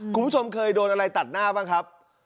คุณผู้ชมเคยโดนอะไรตัดหน้าบ้างครับ